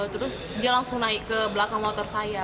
terus dia langsung naik ke belakang motor saya